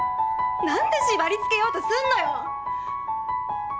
なんで縛りつけようとすんのよ！